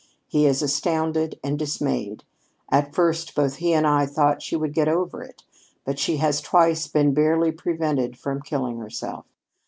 He is astounded and dismayed. At first both he and I thought she would get over it, but she has twice been barely prevented from killing herself.